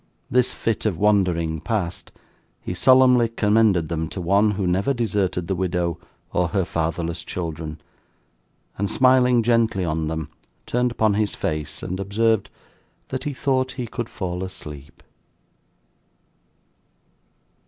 This fit of wandering past, he solemnly commended them to One who never deserted the widow or her fatherless children, and, smiling gently on them, turned upon his face, and observed, that he thought he could fall asleep.